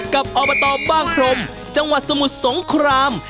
กับอบ้าคลมจังหวัดสมุทรสงคราม